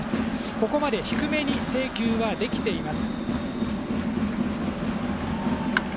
ここまで低めに制球はできています。